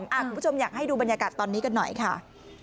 คุณผู้ชมอยากให้ดูบรรยากาศตอนนี้กันหน่อยค่ะ